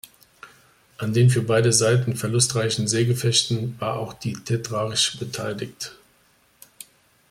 An den für beide Seiten verlustreichen Seegefechten war auch die "Tetrarch" beteiligt.